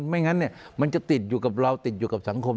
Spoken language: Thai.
ไม่งั้นมันจะติดอยู่กับเราติดอยู่กับสังคม